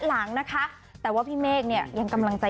แล้วยังงั้นอ่ะ